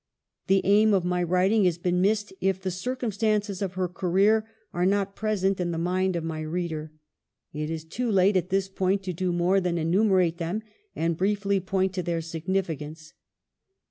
The aim of my writing has been missed if the circumstances of her career are not present in the mind of my reader. It is too late at this point to do more than enumerate them, and briefly point to their significance.